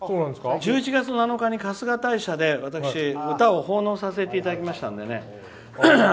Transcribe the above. １１月７日に春日大社で私、歌を奉納させていただきましたのでね。